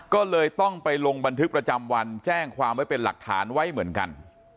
ก็เลยต้องไปลงบันทึกประจำวันแจ้งความไว้เป็นหลักฐานไว้เหมือนกัน